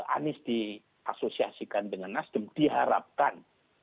anies di asosiasikan dengan nasdem diharapkan